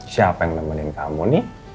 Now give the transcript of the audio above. siapa yang nemenin kamu nih